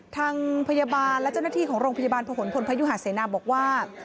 ทางพยาบาลและเจ้าหน้าที่ของโรงพยาบาลผนพลพยุหาเสนาบอกว่า